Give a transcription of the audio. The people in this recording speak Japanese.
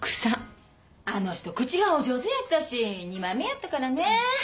あの人口がお上手やったし二枚目やったからね。